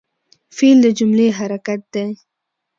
فعل د جملې حرکت دئ.